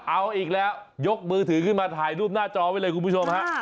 เอาอีกแล้วยกมือถือขึ้นมาถ่ายรูปหน้าจอไว้เลยคุณผู้ชมฮะ